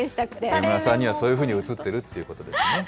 上村さんにはそういうふうに映ってるということですよね。